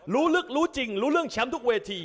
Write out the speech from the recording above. รู้ลึกรู้จริงรู้เรื่องแชมป์ทุกเวที